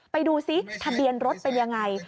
ไปดูซิทะเบียนรถเป็นยังไง